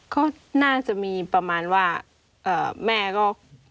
ก็น่าจะมีประมาณว่าแม่ก็